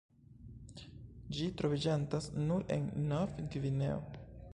Ĝi troviĝantas nur en Novgvineo.